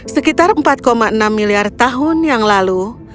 sekitar empat enam miliar tahun yang lalu